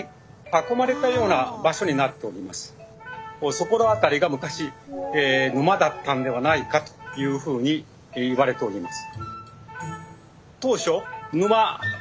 そこら辺りが昔沼だったんではないかというふうにいわれております。